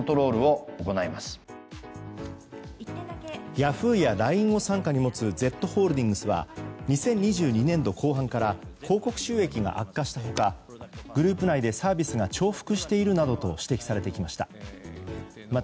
ヤフーやＬＩＮＥを傘下に持つＺホールディングスは２０２２年度後半から広告収益が悪化した他グループ内でサービスが重複しているなどと指摘されてきました。